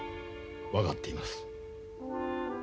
分かっています。